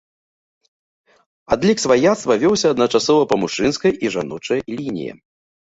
Адлік сваяцтва вёўся адначасова па мужчынскай і жаночай лініям.